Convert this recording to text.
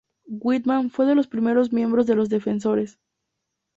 Whitman fue de los primeros miembros de Los Defensores.